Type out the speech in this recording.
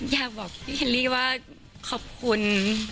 อยากบอกพี่เคลลี่ว่าขอบคุณ